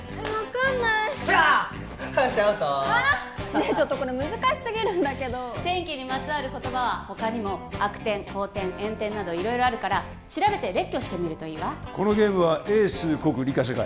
ねえちょっとこれ難しすぎるんだけど天気にまつわる言葉は他にも悪天荒天炎天など色々あるから調べて列挙してみるといいわこのゲームは英数国理科社会